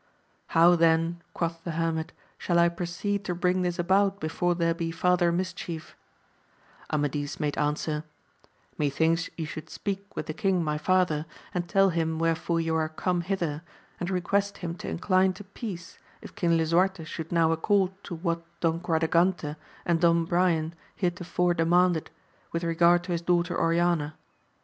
How then, quoth the hermit, shall I proceed to bring this about before there be farther mischief] Amadis made answer, Methinks you should speak with the king, my father, and tell him wherefore you are come hither, and request him to incline to peace, if King Lisuarte should now accord to what Don Quadragante and Don Brian heretofore demanded, with regard to his daughter Oriana.